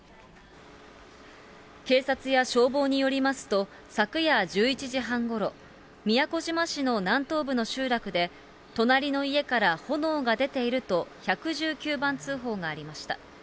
警察や消防によりますと、昨夜１１時半ごろ、宮古島市の南東部の集落で、隣の家から炎が出ていると、１１９番通報がありました。